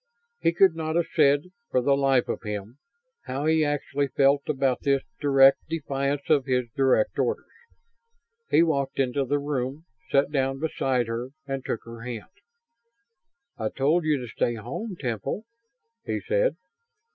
He could not have said, for the life of him, how he actually felt about this direct defiance of his direct orders. He walked into the room, sat down beside her and took her hand. "I told you to stay home, Temple," he said.